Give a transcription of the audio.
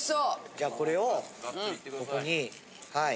じゃあこれをここにはい。